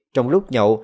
trong lúc nhậu